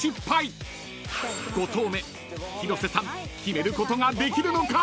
［５投目広瀬さん決めることができるのか⁉］